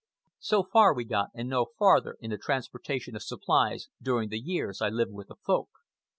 So far we got, and no farther, in the transportation of supplies during the years I lived with the Folk.